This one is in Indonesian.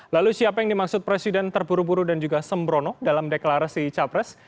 lalu siapa yang dimaksud presiden terburu buru dan juga sembrono dalam deklarasi capres